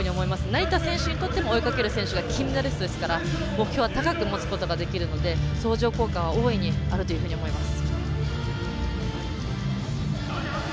成田選手にとっても追いかける選手が金メダリストですから目標は高く持つことができるので相乗効果は大いにあると思います。